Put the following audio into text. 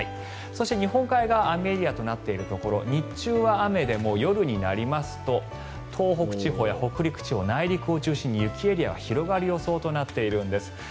そして、日本海側雨エリアとなっているところ日中は雨でも夜になりますと東北地方や北陸地方内陸を中心に雪エリアが広がる予想となっているんです。